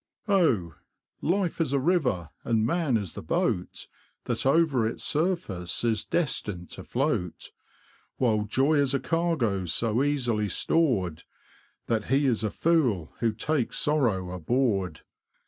O, Life is a river, and man is the boat That over its surface is destined to float ; While joy is a cargo so easily stored, That he is a fool who takes sorrow aboard.